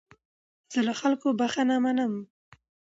زه له خلکو بخښنه منم.